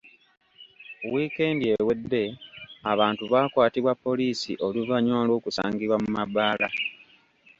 Wiikendi ewedde abantu bakwatibwa poliisi oluvannyuma lw’okusangibwa mu mabaala.